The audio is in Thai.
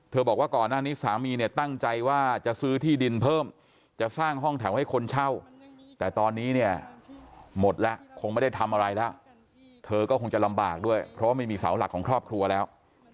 บอกว่าก่อนหน้านี้สามีเนี่ยตั้งใจว่าจะซื้อที่ดินเพิ่มจะสร้างห้องแถวให้คนเช่าแต่ตอนนี้เนี่ยหมดแล้วคงไม่ได้ทำอะไรแล้วเธอก็คงจะลำบากด้วยเพราะว่าไม่มีเสาหลักของครอบครัวแล้ว